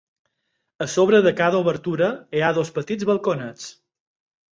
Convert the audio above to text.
A sobre de cada obertura hi ha dos petits balconets.